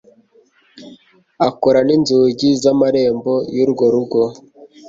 akora n inzugi z amarembo y urwo rugo